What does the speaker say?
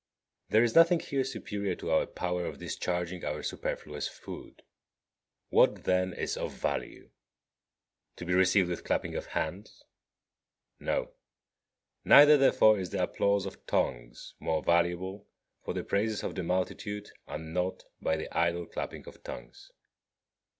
There is nothing here superior to our power of discharging our superfluous food. What, then, is of value? To be received with clapping of hands? No. Neither, therefore, is the applause of tongues more valuable, for the praises of the multitude are naught but the idle clapping of tongues.